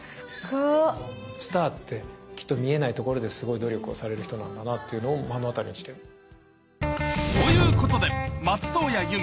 スターってきっと見えないところですごい努力をされる人なんだなっていうのを目の当たりにしてる。ということで松任谷由実